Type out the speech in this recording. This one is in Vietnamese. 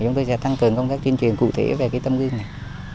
chúng tôi sẽ tăng cường công tác tuyên truyền cụ thể về tâm lưu này